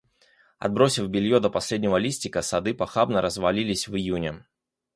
Отбросив белье до последнего листика, сады похабно развалились в июне.